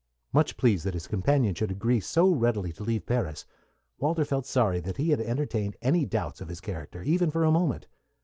Much pleased that his companion should agree so readily to leave Paris, Walter felt sorry that he had entertained any doubts of his character, even for a moment.